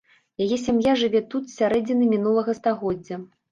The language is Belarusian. Яе сям'я жыве тут з сярэдзіны мінулага стагоддзя.